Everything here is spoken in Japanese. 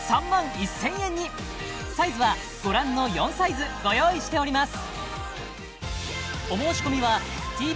サイズはご覧の４サイズご用意しております